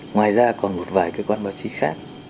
ngoài ra còn một vài cơ quan báo chí khác